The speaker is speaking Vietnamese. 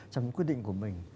trong những quyết định của mình